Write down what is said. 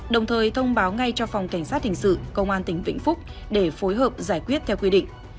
đồng thời thông báo ngay cho phòng cảnh sát hình sự công an tỉnh vĩnh phúc để phối hợp giải quyết theo quy định